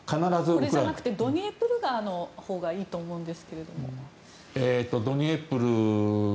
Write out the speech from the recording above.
これじゃなくてドニエプル川のほうがいいと思うんですが。